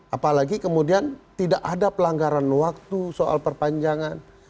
apalagi kemudian tidak ada pelanggaran waktu soal perpanjangan